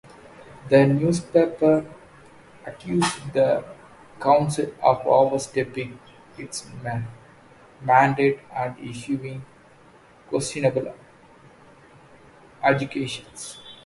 The newspaper accused the Council of overstepping its mandate and issuing questionable adjudications.